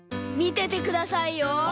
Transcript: みててくださいよ。